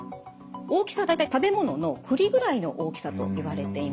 大きさは大体食べ物の栗ぐらいの大きさといわれています。